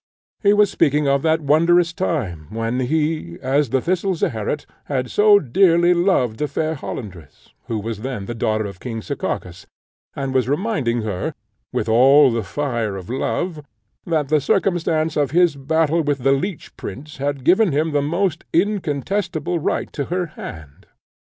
He was speaking of that wondrous time when he, as the thistle, Zeherit, had so dearly loved the fair Hollandress, who was then the daughter of King Sekakis, and was reminding her, with all the fire of love, that the circumstance of his battle with the Leech Prince had given him the most incontestable right to her hand.